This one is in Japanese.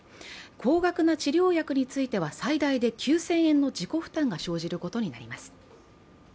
高額な治療薬については、最大で９０００円の自己負担が生じることになります。